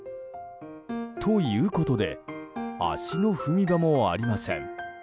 ということで足の踏み場もありません。